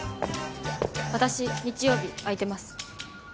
私日曜日空いてます。